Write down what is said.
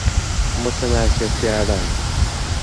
متمرکز کردن